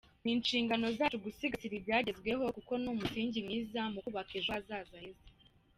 Ni inshingano zacu gusigasira ibyagezweho kuko ni umusingi mwiza mu kubaka ejo hazaza heza.